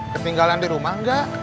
ketinggalan di rumah gak